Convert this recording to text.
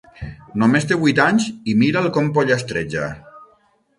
Només té vuit anys i mira'l com pollastreja!